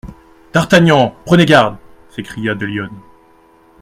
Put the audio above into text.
D'Artagnan, prenez garde ! s'écria de Lyonne.